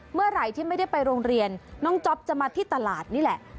เมื่อไหร่ที่ไม่ได้ไปโรงเรียนน้องจ๊อปจะมาที่ตลาดนี่แหละ